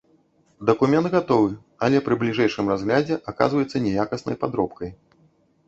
Дакумент гатовы, але пры бліжэйшым разглядзе аказваецца няякаснай падробкай.